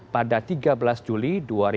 pada tiga belas juli dua ribu dua puluh